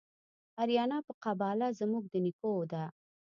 آریانا په قباله زموږ د نیکو ده